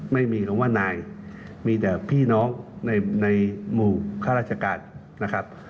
ไม่มีหรือว่านายมีแต่พี่น้องในหมู่ข้าราชการนะครับ